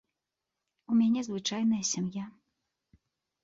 У мяне звычайная сям'я.